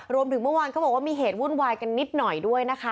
รวมถึงเมื่อวานเขาบอกว่ามีเหตุวุ่นวายกันนิดหน่อยด้วยนะคะ